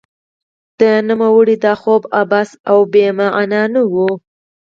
د نوموړي دا خوب عبث او بې مانا نه و.